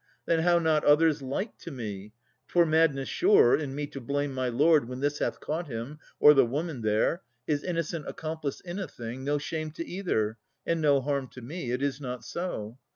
Then how not others, like to me? 'Twere madness, sure, in me to blame my lord When this hath caught him, or the woman there, His innocent accomplice in a thing, No shame to either, and no harm to me. It is not so.